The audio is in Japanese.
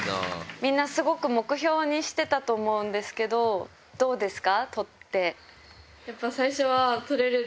みんなすごく目標にしてたと思うんですけど、どうですか？